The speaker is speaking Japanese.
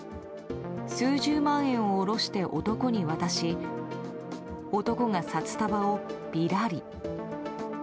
数十万円を下ろして、男に渡し男が札束を、ぴらり。